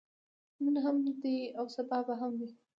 نن هم دی او سبا به هم وي.